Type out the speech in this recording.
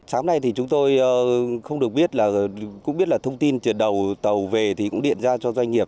sáng nay thì chúng tôi không được biết là cũng biết là thông tin từ đầu tàu về thì cũng điện ra cho doanh nghiệp